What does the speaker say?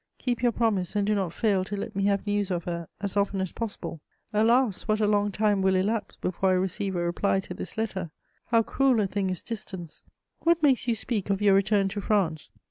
Keep your promise and do not fail to let me have news of her as often as possible. Alas, what a long time will elapse before I receive a reply to this letter! How cruel a thing is distance! What makes you speak of your return to France?